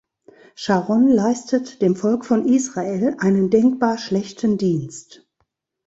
Scharon leistet dem Volk von Israel einen denkbar schlechten Dienst.